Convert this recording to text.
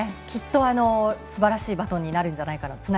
きっとすばらしいバトンになるんじゃないかなと。